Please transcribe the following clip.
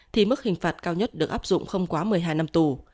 thì mức hình phạt cao nhất được áp dụng không quá một mươi hai năm tù